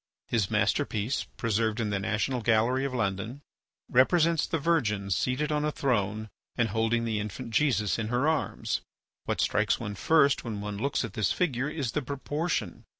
His masterpiece, preserved in the National Gallery of London, represents the Virgin seated on a throne and holding the infant Jesus in her arms. What strikes one first when one looks at this figure is the proportion.